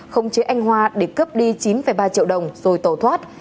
khống chế anh hoa để cướp đi chín ba triệu đồng rồi tẩu thoát